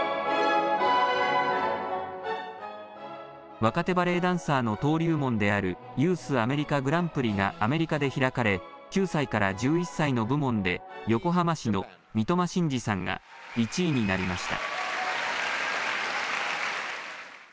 若手バレエダンサーの登竜門であるユース・アメリカ・グランプリがアメリカで開かれ９歳から１１歳の部門で横浜市の三苫心嗣さんが１位になりました。